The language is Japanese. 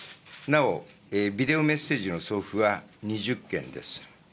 なお、ビデオメッセージの送付は２０件です。